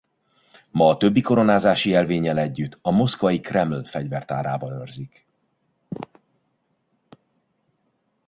Ma a többi koronázási jelvénnyel együtt a moszkvai Kreml Fegyvertárában őrzik.